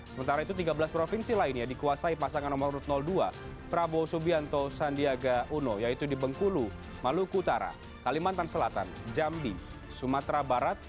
sementara itu tiga belas provinsi lainnya dikuasai pasangan nomor dua prabowo subianto sandiaga uno yaitu di bengkulu maluku utara kalimantan selatan jambi sumatera barat